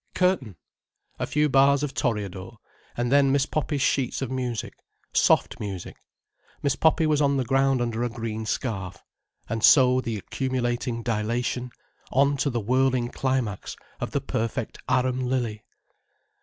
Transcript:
Curtain! A few bars of Toreador—and then Miss Poppy's sheets of music. Soft music. Miss Poppy was on the ground under a green scarf. And so the accumulating dilation, on to the whirling climax of the perfect arum lily.